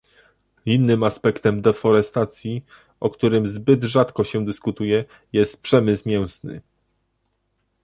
Innym aspektem deforestacji, o którym zbyt rzadko się dyskutuje, jest przemysł mięsny